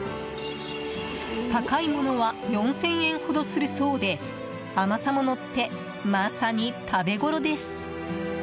高いものは４０００円ほどするそうで甘さも乗ってまさに食べごろです。